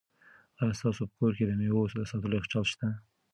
آیا ستاسو په کور کې د مېوو د ساتلو یخچال شته؟